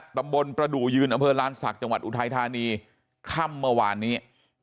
ประดูกยืนอำเภอลานศักดิ์จังหวัดอุทัยธานีค่ำเมื่อวานนี้